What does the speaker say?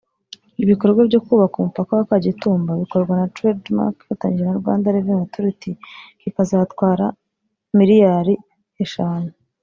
Ibikorwa byo kubaka umupaka wa Kagitumba bikorwa na Trade Mark ifatanyije na Rwanda Revenue Authority kikazatwara miliyari eshanu